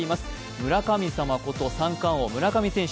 村神様こと三冠王、村上選手。